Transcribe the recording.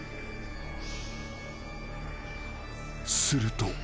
［すると］